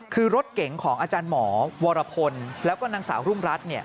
คือรถเก๋งของอาจารย์หมอวรพลแล้วก็นางสาวรุ่งรัฐ